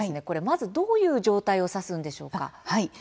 これはどういう状態なんでしょうか？